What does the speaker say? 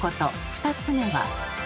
２つ目は。